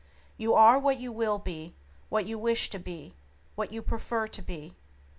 You are what you will to be, what you wish to be, what you prefer to be.